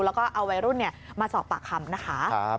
แล้วก็เอาวัยรุ่นมาสอบปากคำนะคะ